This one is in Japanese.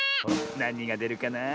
なにがでるかな？